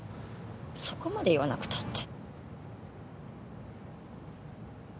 そこまで言わなくたって。